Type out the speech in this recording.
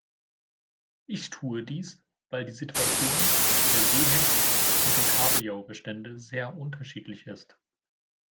Ich tue dies, weil die Situation der Seehecht- und Kabeljaubestände sehr unterschiedlich ist.